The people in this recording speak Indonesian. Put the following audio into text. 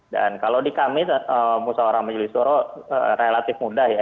dan kalau di kami musawarah majelis surah relatif mudah ya